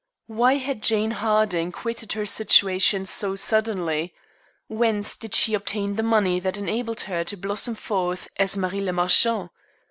Why had Jane Harding quitted her situation so suddenly? Whence did she obtain the money that enabled her to blossom forth as Marie le Marchant?